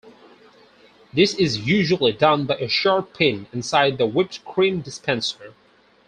This is usually done by a sharp pin inside the whipped cream dispenser.